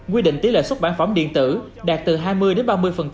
quy định tỷ lệ xuất bản phẩm điện tử đạt từ hai mươi đến ba mươi